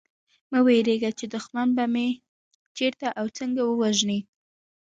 مه وېرېږی چي دښمن به مي چېرته او څنګه ووژني